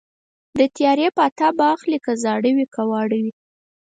د تیارې پاتا به اخلي که زاړه وي که واړه وي